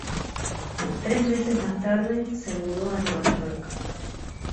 Tres meses más tarde, se mudó a Nueva York.